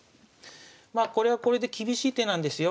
まあこれはこれで厳しい手なんですよ。